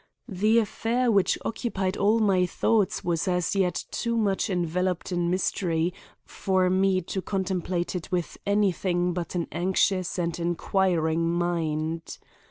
The affair which occupied all my thoughts was as yet too much enveloped in mystery for me to contemplate it with anything but an anxious and inquiring mind.